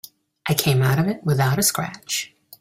I came out of it without a scratch.